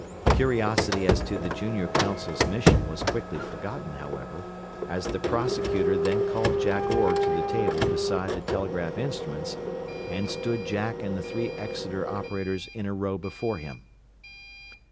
Curiosity as to the junior counsel's mission was quickly forgotten, however, as the prosecutor then called Jack Orr to the table beside the telegraph instruments, and stood Jack and the three Exeter operators in a row before him.